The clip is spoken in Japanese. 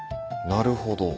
なるほど。